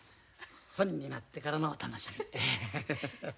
本になってからのお楽しみ。